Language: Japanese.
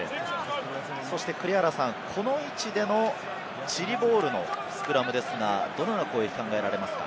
そして、この位置でのチリボールのスクラムですが、どのような攻撃が考えられますか？